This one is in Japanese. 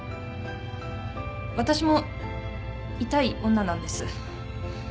私も痛い女なんです。